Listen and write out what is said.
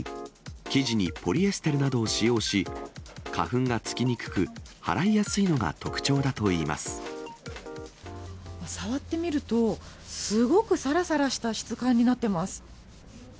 生地にポリエステルなどを使用し、花粉が付きにくく、触ってみると、すごくさらさらした質感になっています。